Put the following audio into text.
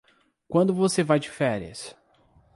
Quando você vai de férias?